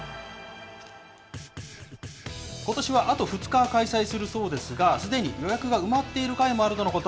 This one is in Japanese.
ことしはあと２日開催するそうですが、すでに予約が埋まっている回もあるとのこと。